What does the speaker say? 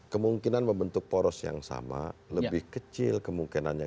kemungkinan membentuk poros yang sama lebih kecil kemungkinannya